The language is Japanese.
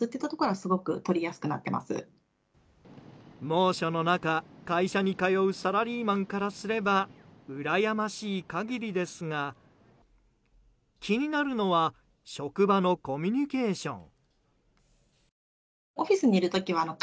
猛暑の中、会社に通うサラリーマンからすればうらやましい限りですが気になるのは職場のコミュニケーション。